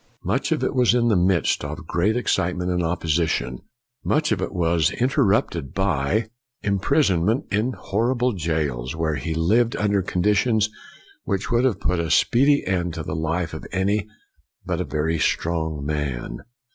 Much of it was in the midst of great excitement and opposi tion. Much of .it was interrupted by 292 FOX imprisonment in horrible jails, where he lived under conditions which would have put a speedy end to the life of any but a very strong man.